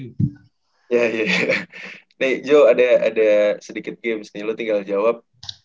iya iya nih joe ada sedikit games nih lu tinggal jawab